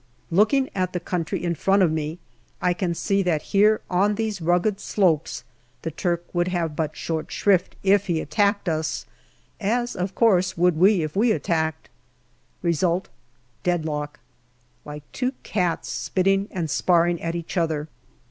Looking at the country in front of me, I can see that here on these rugged slopes the Turk would have but short shrift if he attacked us as of course would we if we attacked. Result, deadlock, like two cats spitting and sparring at each other.